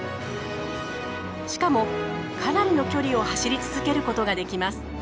しかもかなりの距離を走り続けることができます。